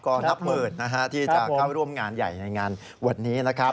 ก็นับหมื่นนะฮะที่จะเข้าร่วมงานใหญ่ในงานวันนี้นะครับ